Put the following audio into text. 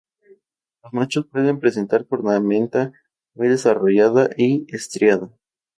Los machos pueden presentar cornamenta muy desarrollada y estriada.